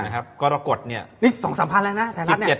๒๓พันแหลงนะแถวรัฐเนี่ย